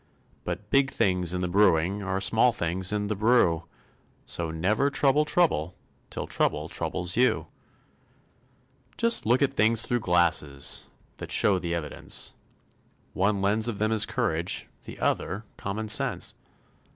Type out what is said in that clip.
But big things in the brewing Are small things in the brew; So never trouble trouble Till trouble troubles you. Just look at things through glasses That show the evidence; One lens of them is courage, The other common sense.